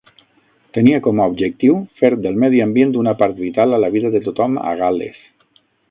Tenia com a objectiu "fer del medi ambient una part vital a la vida de tothom a Gal·les".